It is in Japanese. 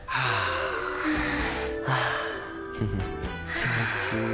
気持ちいい。